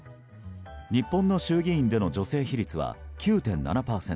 日本の衆議院での女性比率は９．７％。